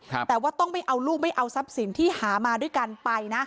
แต่ว่าต้องไม่เอาลูกไม่เอาทรัพย์สินที่หามาด้วยกันไปนะ